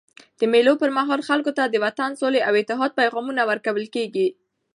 د مېلو پر مهال خلکو ته د وطن، سولي او اتحاد پیغامونه ورکول کېږي.